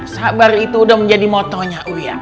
sabar itu udah menjadi motonya ulia